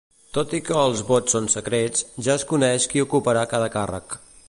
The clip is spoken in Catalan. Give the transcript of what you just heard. Tot i que els vots són secrets, ja es coneix qui ocuparà cada càrrec.